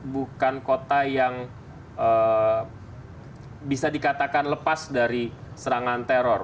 bukan kota yang bisa dikatakan lepas dari serangan teror